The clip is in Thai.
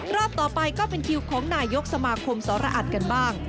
รอบต่อไปก็เป็นคิวของนายกสมาคมสรออัดกันบ้าง